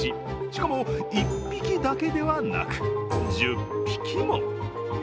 しかも１匹だけではなく、１０匹も。